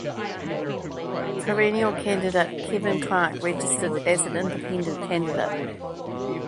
Perennial candidate Kevin Clarke registered as an Independent candidate.